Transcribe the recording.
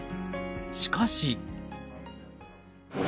しかし。